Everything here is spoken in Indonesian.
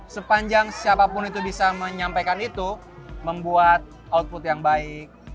sepanjang siapapun itu bisa menyampaikan itu membuat output yang baik